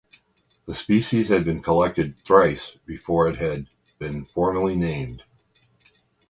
The species had been collected thrice before it had been formally named.